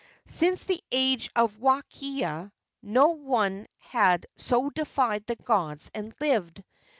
Since the age of Wakea no one had so defied the gods and lived.